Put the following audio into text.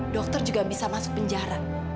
dokter juga bisa masuk penjara